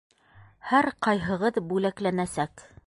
Һәр ҡайһығыҙ бүләкләнәсәк!